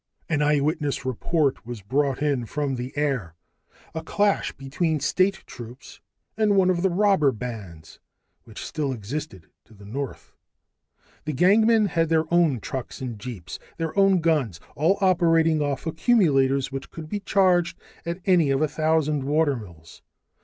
An eyewitness report was brought in from the air a clash between state troops and one of the robber bands which still existed to the north. The gangmen had their own trucks and jeeps, their own guns, all operating off accumulators which could be charged at any of a thousand watermills.